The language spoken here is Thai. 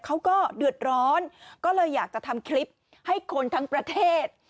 เขาก็เดือดร้อนก็เลยอยากจะทำคลิปให้คนทั้งประเทศ